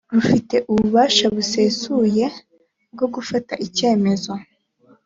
rufite ububasha busesuye bwo gufata ibyemezo